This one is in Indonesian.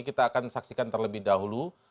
kita akan saksikan terlebih dahulu